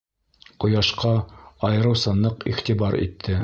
Ҡояшҡа айырыуса ныҡ иғтибар итте.